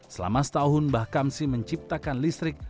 selama setahun mbah kamsi menciptakan listrik